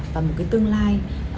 và một cái tương lai